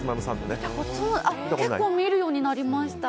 結構、見るようになりました。